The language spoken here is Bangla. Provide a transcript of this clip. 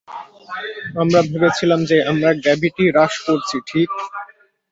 আমরা ভেবেছিলাম যে আমরা গ্র্যাভিটি হ্রাস করছি, ঠিক?